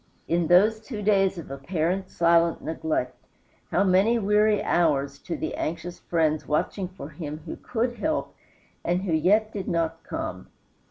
In those two days of apparent silent neglect, how many weary hours to the anxious friends watching for him who could help, and who yet did not come!